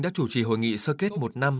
đã chủ trì hội nghị sơ kết một năm